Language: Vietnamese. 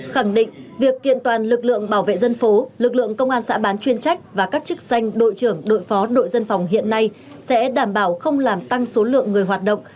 khẳng định việc kiện toàn lực lượng bảo vệ dân phố lực lượng công an xã bán chuyên trách và các chức danh đội trưởng đội phó đội dân phòng hiện nay sẽ đảm bảo không làm tăng số lượng người hoạt động